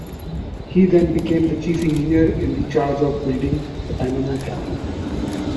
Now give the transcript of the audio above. He then became the chief engineer in charge of building the Panama Canal.